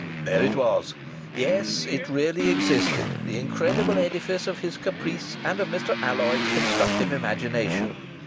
There it was! Yes, it really existed, the incredible edifice of his caprice and of Mr. Alloyd's constructive imagination!